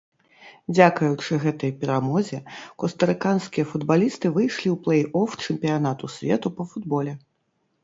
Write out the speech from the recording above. Дзякуючы гэтай перамозе костарыканскія футбалісты выйшлі ў плэй-оф чэмпіянату свету па футболе.